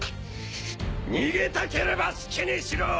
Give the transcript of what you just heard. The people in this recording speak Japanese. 逃げたければ好きにしろ！